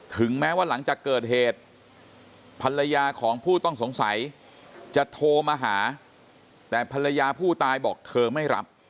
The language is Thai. ถึงแม้ว่าหลังจากเกิดเหตุภรรยาของผู้ต้องสงสัยจะโทรมาหาแต่ภรรยาผู้ตายบอกเธอไม่รับ